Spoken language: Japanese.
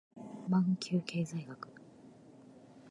マンキュー経済学